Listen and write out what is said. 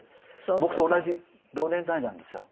僕と同じ同年代なんですよ。